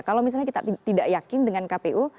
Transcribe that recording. kalau misalnya kita tidak yakin dengan kpu